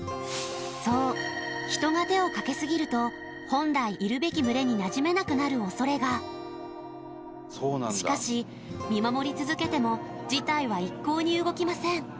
そう人が手をかけすぎると本来いるべき群れになじめなくなる恐れがしかし見守り続けても事態は一向に動きません